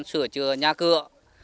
sửa chừa nhà cửa